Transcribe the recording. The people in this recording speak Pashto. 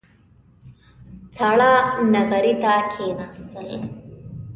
ساړه نغري ته کېناستل.